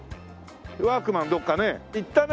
ワークマンどこかね行ったね。